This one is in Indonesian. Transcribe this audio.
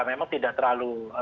memang tidak terlalu